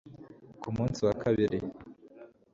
ku munsi wa kabiri